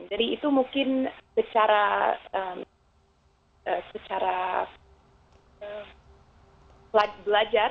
jadi itu mungkin secara belajar